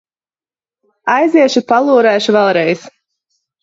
Aiziešu, palūrēšu vēlreiz...